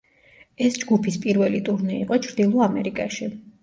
ეს ჯგუფის პირველი ტურნე იყო ჩრდილო ამერიკაში.